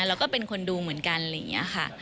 แล้วก็เป็นคนดูเหมือนกันอะไรอย่างนี้ค่ะ